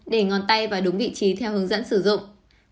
một để ngón tay vào đúng vị trí theo hướng dẫn sử dụng